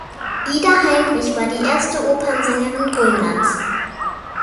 Ida Heinrich war die erste Opernsängerin Grönlands.